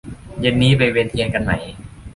เย็นนี้ไปเวียนเทียนกันไหม